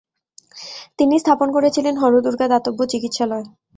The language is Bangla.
তিনি স্থাপন করেছিলেন হরদুর্গা দাতব্য চিকিৎসালয়।